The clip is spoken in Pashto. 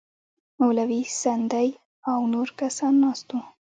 مولوي سندی او نور کسان ناست وو.